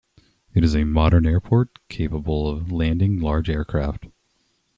It is a modern airport capable of landing large aircraft.